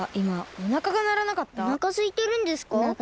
おなかすいてるんですか？